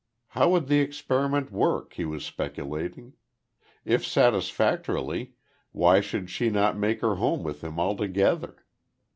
How would the experiment work, he was speculating? If satisfactorily, why should she not make her home with him altogether?